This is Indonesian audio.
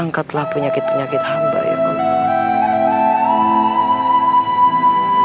angkatlah penyakit penyakit hamba ya